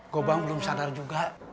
gobang belum sadar juga